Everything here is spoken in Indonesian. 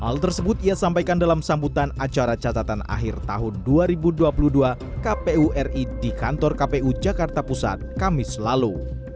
hal tersebut ia sampaikan dalam sambutan acara catatan akhir tahun dua ribu dua puluh dua kpu ri di kantor kpu jakarta pusat kamis lalu